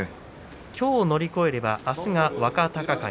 きょうを乗り越えればあすが若隆景